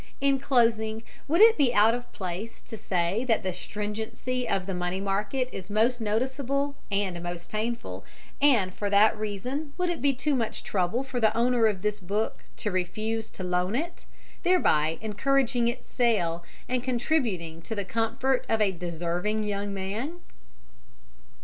In closing, would it be out of place to say that the stringency of the money market is most noticeable and most painful, and for that reason would it be too much trouble for the owner of this book to refuse to loan it, thereby encouraging its sale and contributing to the comfort of a deserving young man?